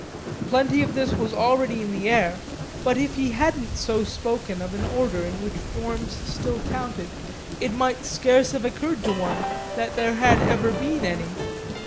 Plenty of this was already in the air, but if he hadn't so spoken of an order in which forms still counted it might scarce have occurred to one that there had ever been any.